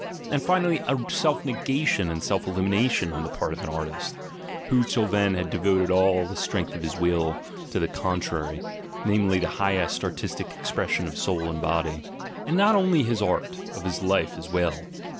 And finally a self negation and self elimination on the part of an artist, who till then had devoted all the strength of his will to the contrary, namely, the highest artistic expres sion of soul and body. And not only his art; of his life as well.